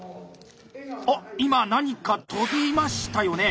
今何か飛びましたよね。